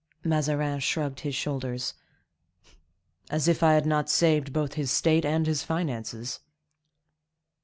Mazarin shrugged his shoulders. "As if I had not saved both his state and his finances."